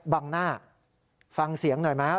บังหน้าฟังเสียงหน่อยไหมครับ